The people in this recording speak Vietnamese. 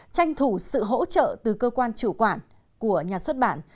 tranh thủ sự hỗ trợ từ cơ quan chủ quản của nhà xuất bản